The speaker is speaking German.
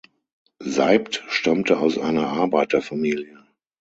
Seibt stammte aus einer Arbeiterfamilie.